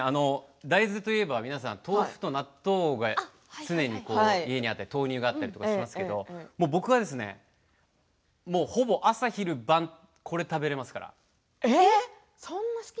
大豆といえば豆腐と納豆が常に家にあって豆乳があったりしますが僕はほぼ、朝昼晩これ食べられますから。